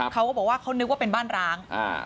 เขาก็บอกว่าเขานึกว่าเป็นบ้านร้าง